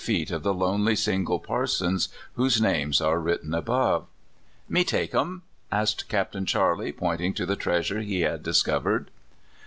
135 feet of the lonely single parsons whose names are written above. *' Me take um? " asked Capt. Charley, pointing to the treasure he had discovered.